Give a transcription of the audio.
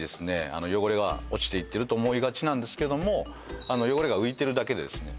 あの汚れが落ちていってると思いがちなんですけどもあの汚れが浮いてるだけでですね